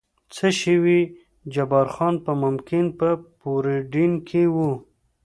څه شوي وي، جبار خان به ممکن په پورډینون کې و.